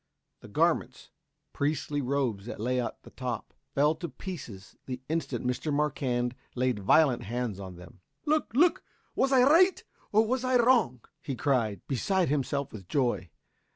The garments, priestly robes that lay at the top, fell to pieces the instant Mr. Marquand laid violent hands on them. "Look! Look! Was I right or was I wrong?" he cried, beside himself with joy.